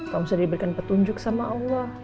kamu sudah diberikan petunjuk sama allah